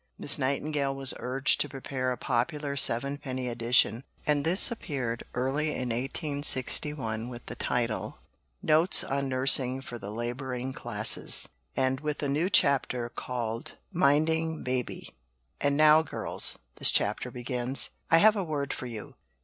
Miss Nightingale was urged to prepare a popular sevenpenny edition, and this appeared early in 1861 with the title Notes on Nursing for the Labouring Classes, and with a new chapter called "Minding Baby." "And now, girls," this chapter begins, "I have a word for you.